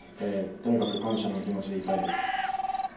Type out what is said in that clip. とにかく感謝の気持ちでいっぱいです。